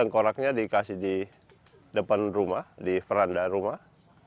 koraknya dikasih di depan rumah di peranda rumah